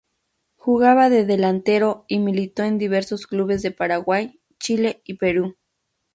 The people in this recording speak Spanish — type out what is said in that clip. Jugaba de delantero y militó en diversos clubes de Paraguay, Chile y Perú.